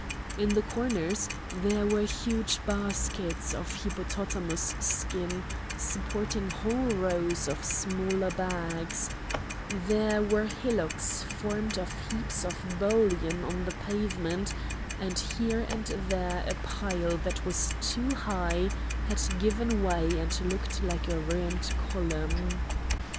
In the corners there were huge baskets of hippopotamus skin supporting whole rows of smaller bags; there were hillocks formed of heaps of bullion on the pavement; and here and there a pile that was too high had given way and looked like a ruined column.